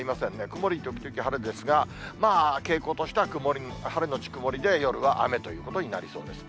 曇り時々晴れですが、傾向としては、晴れ後曇りで、夜は雨ということになりそうです。